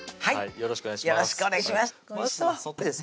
よろしくお願いします